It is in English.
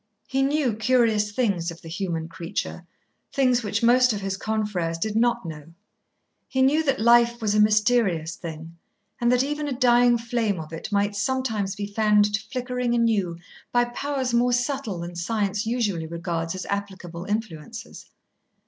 He knew curious things of the human creature, things which most of his confrères did not know. He knew that Life was a mysterious thing, and that even a dying flame of it might sometimes be fanned to flickering anew by powers more subtle than science usually regards as applicable influences.